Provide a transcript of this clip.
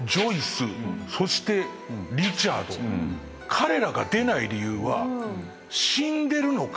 彼らが出ない理由は死んでるのか？